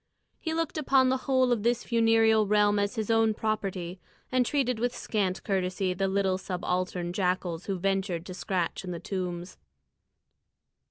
He looked upon the whole of this funereal realm as his own property, and treated with scant courtesy the little subaltern jackals who ventured to scratch in the tombs.